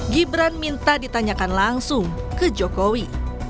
gibran minta ditanyakan langsung ke jokowi